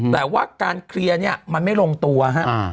แต่ว่าการเคลียร์นี้มันไม่ลงตัวครับ